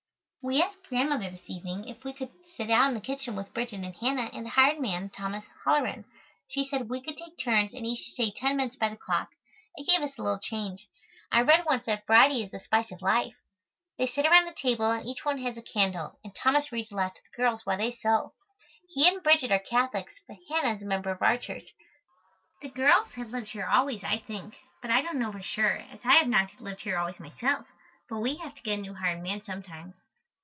We asked Grandmother this evening if we could sit out in the kitchen with Bridget and Hannah and the hired man, Thomas Holleran. She said we could take turns and each stay ten minutes by the clock. It gave us a little change. I read once that "variety is the spice of life." They sit around the table and each one has a candle, and Thomas reads aloud to the girls while they sew. He and Bridget are Catholics, but Hannah is a member of our Church. The girls have lived here always, I think, but I don't know for sure, as I have not lived here always myself, but we have to get a new hired man sometimes.